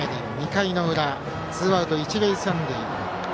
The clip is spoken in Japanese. ２回の裏、ツーアウト一塁三塁。